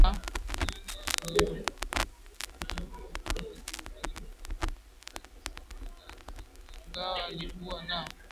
mahojiano aliyofanyiwa na vyombo mbali mbali vya habari mwenyewe alisikika akisema ingawa alikuwa na